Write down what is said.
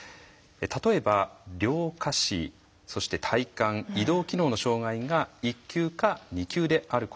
例えば両下肢そして体幹移動機能の障害が１級か２級であること。